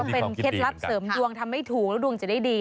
เป็นเคล็ดลับเสริมดวงทำไม่ถูกแล้วดวงจะได้ดี